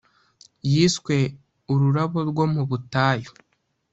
yiswe ‘Ururabo rwo mu butayu’